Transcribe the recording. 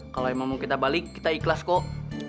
kalau emang mau kita balik kita ikhlas kok